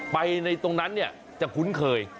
ไปในตรงนั้นเนี่ยจะคุ้นเคย